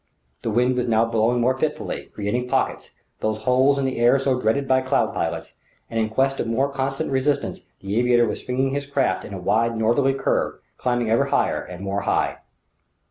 The wind was now blowing more fitfully, creating pockets those holes in the air so dreaded by cloud pilots and in quest of more constant resistance the aviator was swinging his craft in a wide northerly curve, climbing ever higher and more high.